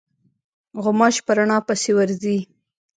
غوماشې په رڼا پسې ورځي.